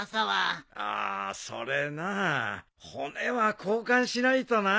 ああそれなあ骨は交換しないとな。